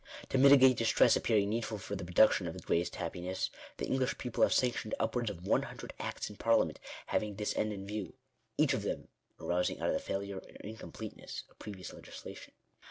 To mitigate distress appearing needful for the production of the " greatest happiness," the English people have sanctioned upwards of one hundred acts in Parliament having this end in view, each of them arising out of the failure or incompleteness of previous legislation.